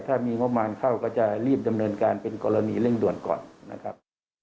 ถ้ามีงบประมาณเข้าก็จะรีบดำเนินการเป็นกรณีเร่งด่วนก่อนนะครับ